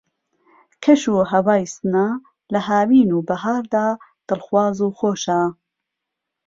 کەش و ھەوای سنە لە ھاوین و بەھار دا دڵخواز و خۆشە